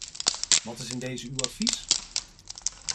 Wat is in dezen uw advies?